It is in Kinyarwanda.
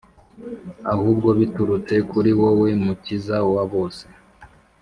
ahubwo biturutse kuri wowe, Mukiza wa bose.